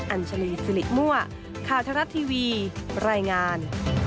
อัญชลีสิริมั่วข่าวทรัฐทีวีรายงาน